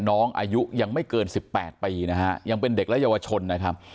น้องอายุยังไม่เกิน๑๘ปีนะฮะยังเป็นเด็กและเยาวชนนะครับ